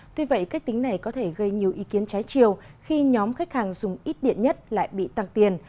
tuy vậy cách tính này có thể gây nhiều ý kiến trái chiều khi nhóm khách hàng dùng ít điện nhất lại bị tăng tiền